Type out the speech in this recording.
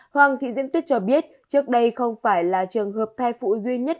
hoàng thị diễm tuyết cho biết trước đây không phải là trường hợp thai phụ duy nhất